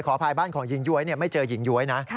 อภัยบ้านของหญิงย้วยไม่เจอหญิงย้วยนะ